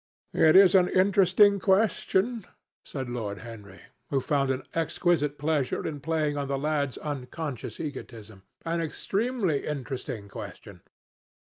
"It is an interesting question," said Lord Henry, who found an exquisite pleasure in playing on the lad's unconscious egotism, "an extremely interesting question.